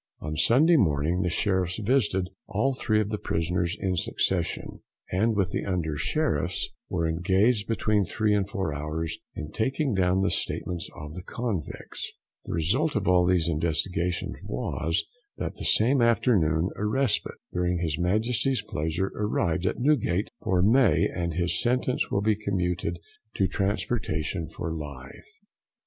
On Sunday morning the Sheriffs visited all three of the prisoners in succession, and with the Under Sheriffs were engaged between three and four hours in taking down the statements of the convicts. The result of all these investigations was that the same afternoon a respite during his Majesty's pleasure arrived at Newgate for May, and his sentence will be commuted to transportation for life.